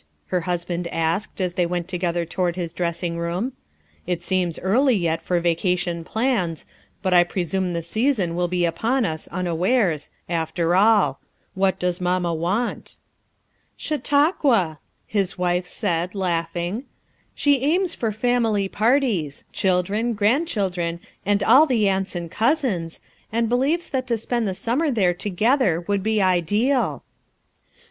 her husband asked as they went together toward his dressing room. "It seems early yet for vacation plans, but I pre sume the season will be upon us unawares, after all. What does Maninia want?" "Chautauqua," his wife said, laughing. "She aims for family parties; children, grand children and all the aunts and cousins, and be lieves that to spend the summer there together would be ideal."